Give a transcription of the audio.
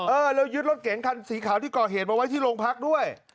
เออแล้วยึดรถเก๋งคันสีขาวที่ก่อเหตุมาไว้ที่โรงพักด้วย